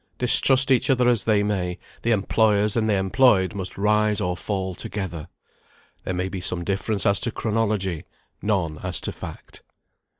Distrust each other as they may, the employers and the employed must rise or fall together. There may be some difference as to chronology, none as to fact.